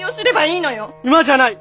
今じゃない。